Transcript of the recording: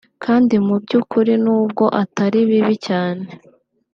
kandi mu by’ukuri n’ubwo atari bibi cyane